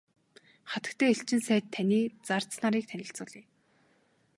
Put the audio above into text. Хатагтай элчин сайд таны зарц нарыг танилцуулъя.